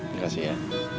terima kasih ya